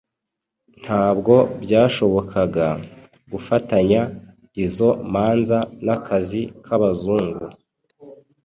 Ntabwo byashobokaga gufatanya izo manza n'akazi k'Abazungu